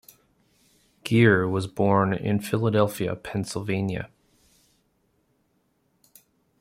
Gere was born in Philadelphia, Pennsylvania.